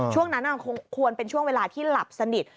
ช่วงนั้นควรเป็นช่วงเวลาที่หลับสนิท